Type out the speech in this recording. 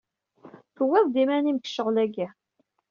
Tewwiḍ-d iman-im deg ccɣel-agi.